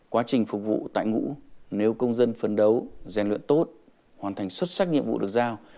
quá trình phục vụ tại ngũ nếu công dân phấn đấu rèn luyện tốt hoàn thành xuất sắc nhiệm vụ được giao